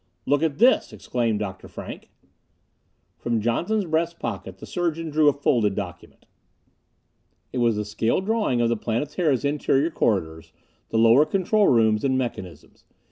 "Look at this!" exclaimed Dr. Frank. From Johnson's breast pocket the surgeon drew a folded document. It was the scale drawing of the Planetara's interior corridors, the lower control rooms and mechanisms.